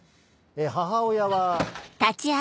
母親は。